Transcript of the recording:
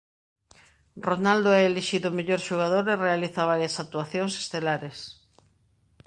Ronaldo é elixido o mellor xogador e realiza varias actuacións estelares.